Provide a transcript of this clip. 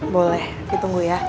boleh ditunggu ya